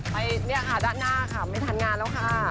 ไปเนี่ยค่ะด้านหน้าค่ะไม่ทันงานแล้วค่ะ